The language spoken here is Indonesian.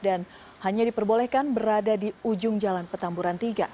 dan hanya diperbolehkan berada di ujung jalan petamburan tiga